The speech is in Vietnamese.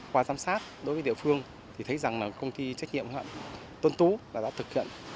qua giám sát đối với địa phương thì thấy rằng là công ty trách nhiệm hoạn tôn tú là đã thực hiện